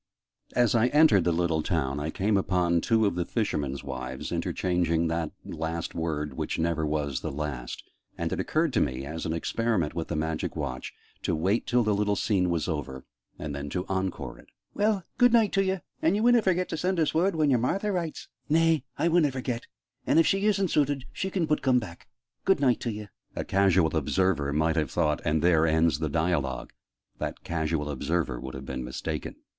As I entered the little town, I came upon two of the fishermen's wives interchanging that last word "which never was the last": and it occurred to me, as an experiment with the Magic Watch, to wait till the little scene was over, and then to 'encore' it. "Well, good night t'ye! And ye winna forget to send us word when your Martha writes?" "Nay, ah winna forget. An' if she isn't suited, she can but coom back. Good night t'ye!" A casual observer might have thought "and there ends the dialogue!" That casual observer would have been mistaken.